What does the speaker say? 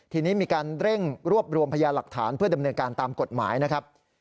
ทีนี้มีการเร่งรวบรวมพยาหลักฐานเพื่อดำเนินการตามกฎหมายนะครับ